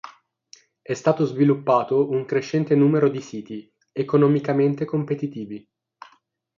È stato sviluppato un crescente numero di siti, economicamente competitivi.